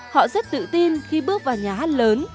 họ rất tự tin khi bước vào nhà hát lớn